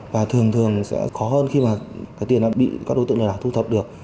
và thường thường sẽ khó hơn khi mà tiền bị các đối tượng lừa đảo thu thập được